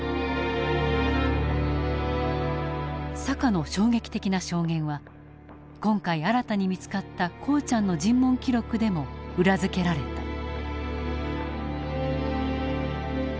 坂の衝撃的な証言は今回新たに見つかったコーチャンの尋問記録でも裏付けられた。